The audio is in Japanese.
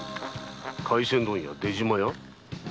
廻船問屋・出島屋？